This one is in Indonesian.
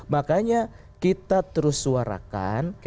makanya kita terus suarakan